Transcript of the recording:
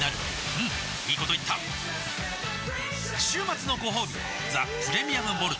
うんいいこと言った週末のごほうび「ザ・プレミアム・モルツ」